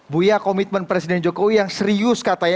bu yaya komitmen presiden jokowi yang serius katanya